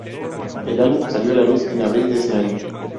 El álbum salió a la luz en abril de ese año.